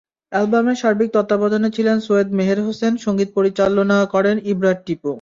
অ্যালবামের সার্বিক তত্ত্বাবধানে ছিলেন সৈয়দ মেহের হোসেন, সংগীত পরিচালনা করেন ইবরার টিপু।